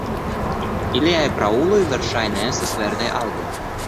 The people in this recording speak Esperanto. Iliaj prauloj verŝajne estas verdaj algoj.